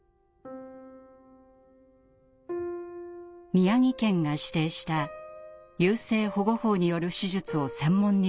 宮城県が指定した優生保護法による手術を専門に行う診療所。